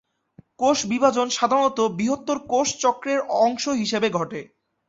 কোষ বিভাজন সাধারণত বৃহত্তর কোষ চক্রের অংশ হিসাবে ঘটে।